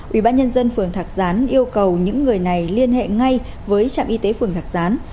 ubnd phường thạc gián yêu cầu những người này liên hệ ngay với trạm y tế phường thạc gián